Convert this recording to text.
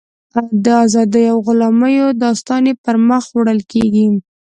د ازادیو او غلامیو داستان پر مخ وړل کېږي.